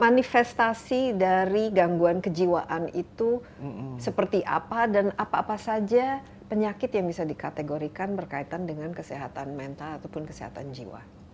manifestasi dari gangguan kejiwaan itu seperti apa dan apa apa saja penyakit yang bisa dikategorikan berkaitan dengan kesehatan mental ataupun kesehatan jiwa